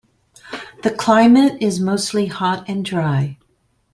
The climate is mostly hot and dry.